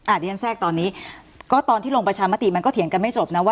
อ่าดิจันทร์แทรกตอนนี้ก็ตอนที่ลงประชามติมันก็เถียงกันไม่จบนะ